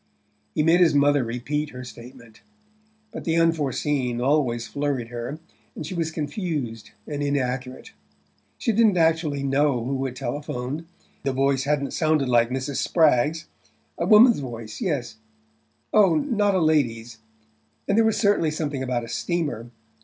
He made his mother repeat her statement; but the unforeseen always flurried her, and she was confused and inaccurate. She didn't actually know who had telephoned: the voice hadn't sounded like Mrs. Spragg's... A woman's voice; yes oh, not a lady's! And there was certainly something about a steamer...